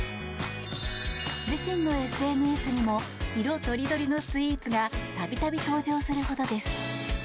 自身のＳＮＳにも色とりどりのスイーツが度々登場するほどです。